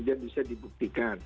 dan bisa dibuktikan